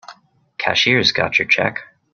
Cashier's got your check.